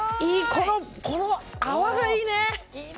この泡がいいね。